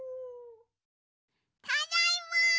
ただいま！